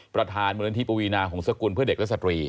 ประธานบริเวณที่ปวีนาหงศกุลเพื่อเด็กและสตรี